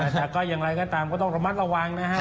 แต่ก็อย่างไรก็ตามก็ต้องระมัดระวังนะฮะ